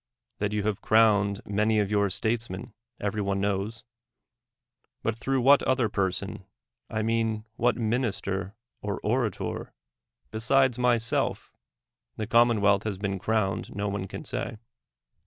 That you have crowned many of your statesmen, every one knowB; but through what other person (I mean what minister or orator), besides myself, the commonwealth has been crowned, no one can say.